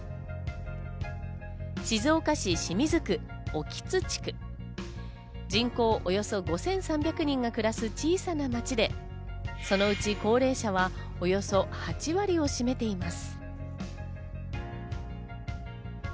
静岡市清水区興津地区、人口およそ５３００人が暮らす小さな町で、そのうち高齢者はおよそ８割を占めています。